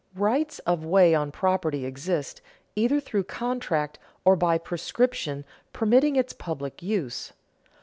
Rights of way on property exist either through contract or by prescription permitting its public use.